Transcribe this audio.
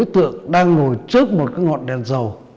đối tượng đang ngồi trước một cái ngọn đèn dầu